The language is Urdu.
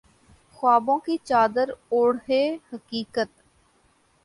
خوابوں کی چادر اوڑھے حقیقت